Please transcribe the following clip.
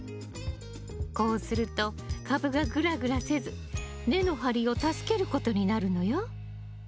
こうすると株がぐらぐらせず根の張りを助けることになるのよ。